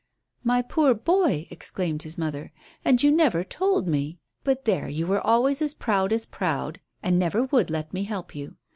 "My poor boy!" exclaimed his mother; "and you never told me. But there, you were always as proud as proud, and never would let me help you.